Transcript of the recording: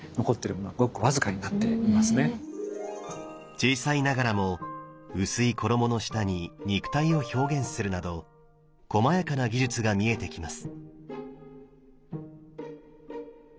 小さいながらも薄い衣の下に肉体を表現するなどこまやかな技術が見えてきます。